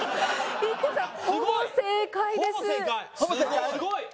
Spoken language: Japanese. すごい！